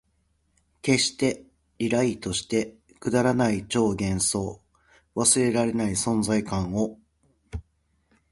消して、リライトして、くだらない超幻想、忘れらない存在感を